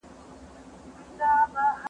د اوبو څښل د وجود پاکوالی دی.